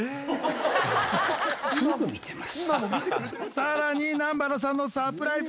さらに南原さんのサプライズ